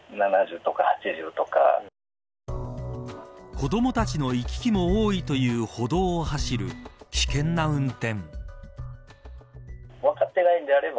子どもたちの行き来も多いという歩道を走る危険な運転。